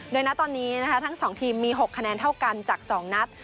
โดยณะตอนนี้ทั้งสองทีมมี๖คะแนนเท่ากันจากสองนัด